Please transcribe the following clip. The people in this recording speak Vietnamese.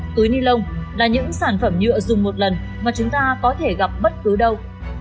túi ni lông là những sản phẩm nhựa dùng một lần mà chúng ta có thể gặp bất cứ đâu